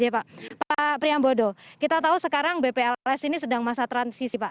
pak priyambodo kita tahu sekarang bpls ini sedang masa transisi pak